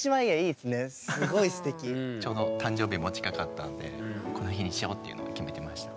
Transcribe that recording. ちょうど誕生日も近かったんでこの日にしようというのを決めてました。